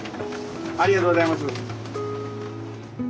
ありがとうございます。